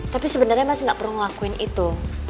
tapi sebenarnya masih nggak perlu ngelakuin itu